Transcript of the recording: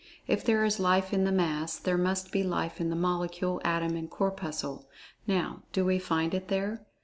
If there is Life in the Mass, there must be life in the Molecule, Atom, or Corpuscle. Now, do we find it there?